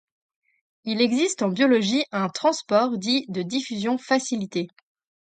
Il existe en biologie un transport dit de diffusion facilitée.